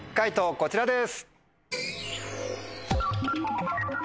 こちらです。